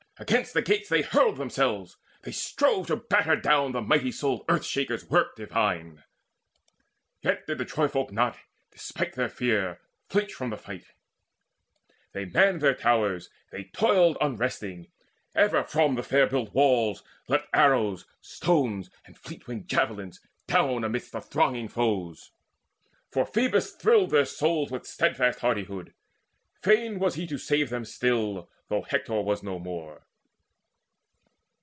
Against the gates They hurled themselves, they strove to batter down The mighty souled Earth shaker's work divine. Yet did tim Troyfolk not, despite their fear, Flinch from the fight: they manned their towers, they toiled Unresting: ever from the fair built walls Leapt arrows, stones, and fleet winged javelins down Amidst the thronging foes; for Phoebus thrilled Their souls with steadfast hardihood. Fain was he To save them still, though Hector was no more.